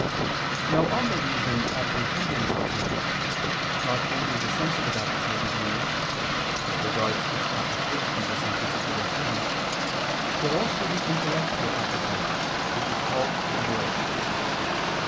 Now on the reason apprehending something, not only the sensitive appetite is moved, as regards its application to some particular thing, but also the intellectual appetite, which is called the will.